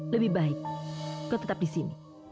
lebih baik kau tetap di sini